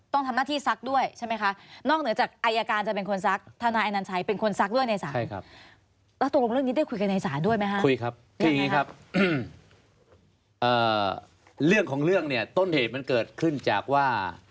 ต้องทำหน้าที่ซักด้วยใช่ไหมคะ